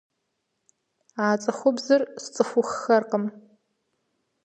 А цӀыхубзыр сцӀыхуххэркъым.